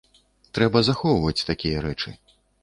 Трэба захоўваць такія рэчы.